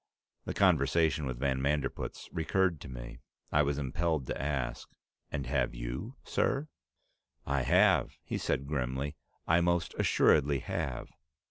The conversation with van Manderpootz recurred to me. I was impelled to ask, "And have you, sir?" "I have," he said grimly. "I most assuredly have.